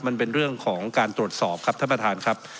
มันเป็นเรื่องของการตรวจสอบครับท่านประธานครับ